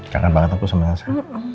kangen banget aku sama elsa